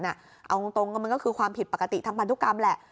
เอาจริงก็คือความผิดปกติทั้งปรารถุกรรมแหละ